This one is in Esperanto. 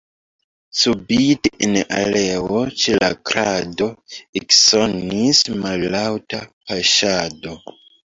Subite en aleo ĉe la krado eksonis mallaŭta paŝado.